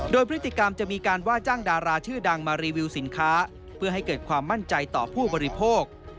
โดยพฤติกรรมจะมีการว่าจ้างดาราชื่อดังมารีวิวสินค้าเพื่อให้เกิดความมั่นใจต่อผู้บริโภค